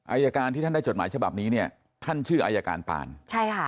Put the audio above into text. อายการที่ท่านได้จดหมายฉบับนี้เนี่ยท่านชื่ออายการปานใช่ค่ะ